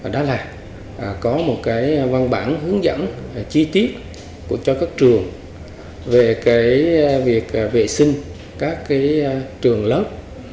đó là có một văn bản hướng dẫn chi tiết cho các trường về việc vệ sinh các trường lớp